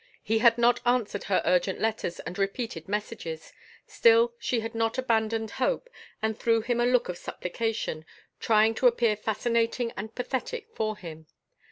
He had not answered her urgent letters and repeated messages; still she had not abandoned hope and threw him a look of supplication, trying to appear fascinating and pathetic for him.